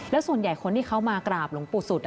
แล้วส่วนใหญ่คนที่เขามากราบหลวงปู่สุด